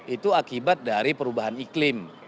itu akibat dari perubahan iklim